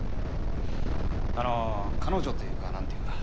あの彼女というか何というか。